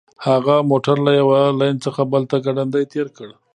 هغه موټر له یوه لین څخه بل ته ګړندی تیر کړ